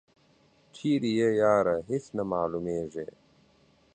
چیری یی یاره هیڅ نه معلومیږي.